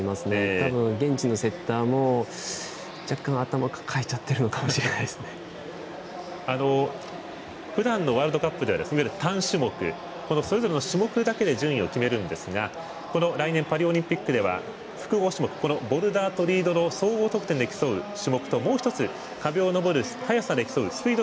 たぶん、現地のセッターも若干、頭抱えちゃってるのかもふだんのワールドカップでは、単種目それぞれの種目だけで順位を決めるんですが来年、パリオリンピックでは複合種目、ボルダーとリードの総合得点で競う種目ともう１つ、壁を登る速さを競うスピード